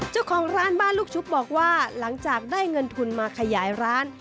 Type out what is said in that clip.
เจ้าของร้านบ้านลูกชุบบอกว่าหลังจากได้เงินทุนมาขยายร้าน